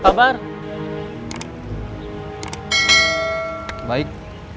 ket negro yang